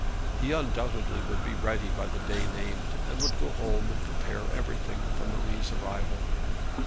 He undoubtedly would be ready by the day named, and would go home and prepare everything for Marie's arrival.